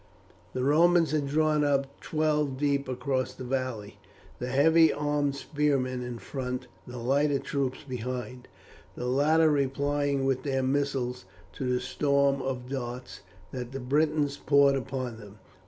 The Romans had drawn up twelve deep across the valley, the heavy armed spearmen in front, the lighter troops behind, the latter replying with their missiles to the storm of darts that the Britons poured upon them.